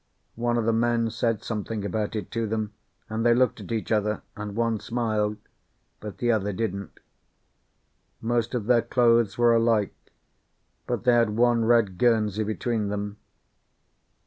One of the men said something about it to them, and they looked at each other; and one smiled, but the other didn't. Most of their clothes were alike, but they had one red guernsey between them.